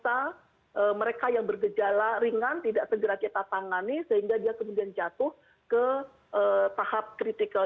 karena mereka yang bergejala ringan tidak segera kita tangani sehingga dia kemudian jatuh ke tahap kritikal